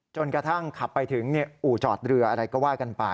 กระทั่งขับไปถึงอู่จอดเรืออะไรก็ว่ากันไป